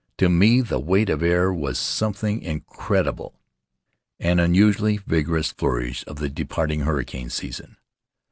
To me the weight of air was some thing incredible, an unusually vigorous flourish of the departing hurricane season.